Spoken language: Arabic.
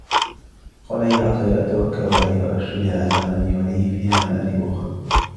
قال هي عصاي أتوكأ عليها وأهش بها على غنمي ولي فيها مآرب أخرى